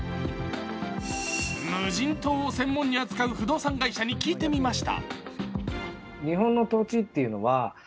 無人島を専門に扱う不動産会社に聞いてみました。